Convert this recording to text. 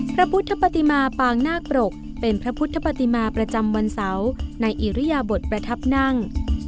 พระพุทธปฏิมาปางนาคปรกเป็นพระพุทธปฏิมาประจำวันเสาร์ในอิริยบทประทับนั่ง